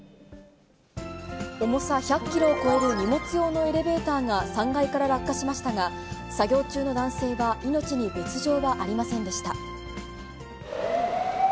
重さ１００キロを超える荷物用のエレベーターが３階から落下しましたが、作業中の男性は命に別状はありませんでした。